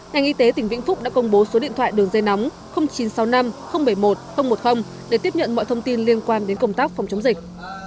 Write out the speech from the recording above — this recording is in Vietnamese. ngành y tế tỉnh vĩnh phúc đã công bố số điện thoại đường dây nóng chín trăm sáu mươi năm bảy mươi một một mươi để tiếp nhận mọi thông tin liên quan đến công tác phòng chống dịch